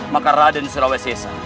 maka raden selalu sisa